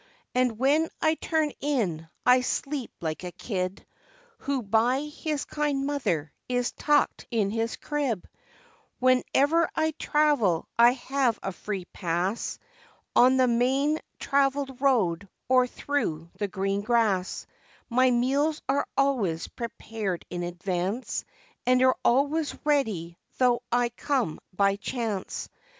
And when I turn in, I sleep like a kid, Who by his kind mother is tucked in his crib, Wherever I travel I have a free pass, On the main traveled road, or through the green grass, My meals are always prepared in advance, And are always ready though I come by chance.